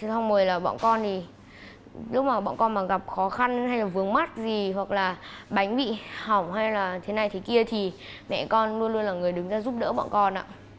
xin không mời là bọn con thì lúc mà bọn con mà gặp khó khăn hay là vướng mắt gì hoặc là bánh bị hỏng hay là thế này thế kia thì mẹ con luôn luôn là người đứng ra giúp đỡ bọn con ạ